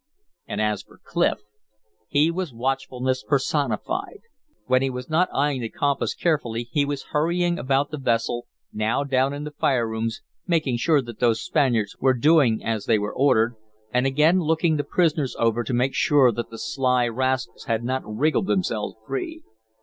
And as for Clif, he was watchfulness personified. When he was not eyeing the compass carefully he was hurrying about the vessel, now down in the fire rooms, making sure that those Spaniards were doing as they were ordered, and again looking the prisoners over to make sure that the sly rascals had not wriggled themselves free.